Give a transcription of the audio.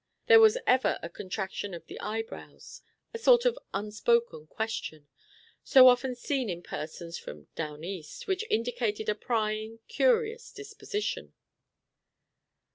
There was ever a contraction of the eyebrows a sort of unspoken question so often seen in persons from "down east," which indicated a prying, curious disposition.